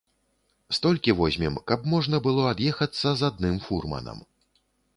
Столькі возьмем, каб можна было ад'ехацца з адным фурманам.